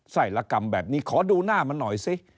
ทรัยละกรรมแบบนี้ขอดูหน้ามันหน่อยซิ